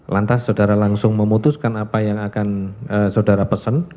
lantas saudara langsung memutuskan apa yang akan saudara pesan